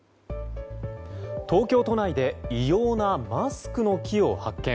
東京都内で異様なマスクの木を発見。